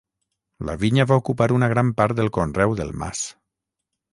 La vinya va ocupar una gran part del conreu del mas.